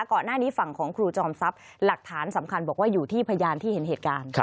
ก่อนหน้านี้ฝั่งของครูจอมทรัพย์หลักฐานสำคัญบอกว่าอยู่ที่พยานที่เห็นเหตุการณ์